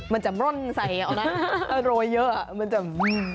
มันจะมร่นใส่รอยเยอะ